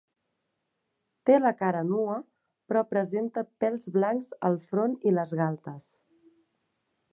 Té la cara nua, però presenta pèls blancs al front i les galtes.